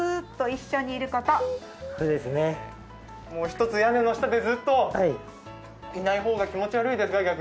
一つ屋根の下でずっと、いない方が逆に気持ち悪いですか？